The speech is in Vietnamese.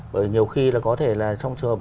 bởi nhiều khi là có thể là trong trường hợp